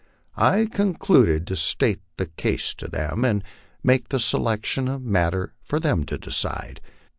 I concluded to state the case to them, and make the se lection a matter for them to decide.